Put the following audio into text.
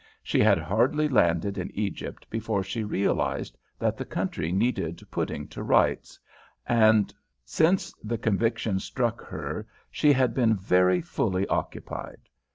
She had hardly landed in Egypt before she realised that the country needed putting to rights, and since the conviction struck her she had been very fully occupied.